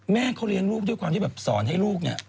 แม่เขาเลี้ยงลูกด้วยความที่แบบสอนให้ลูกเนี่ย